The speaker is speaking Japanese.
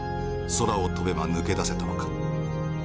空を飛べば抜け出せたのか。